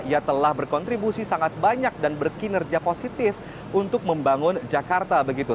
ia telah berkontribusi sangat banyak dan berkinerja positif untuk membangun jakarta begitu